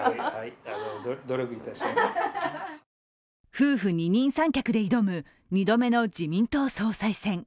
夫婦二人三脚で挑む２度目の自民党総裁選。